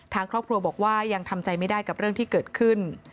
ทางครอบครัวบอกว่ายังทำใจไม่ได้กับเรื่องที่เกิดขึ้น